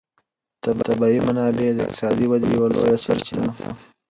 طبیعي منابع د اقتصادي ودې یوه لویه سرچینه ده.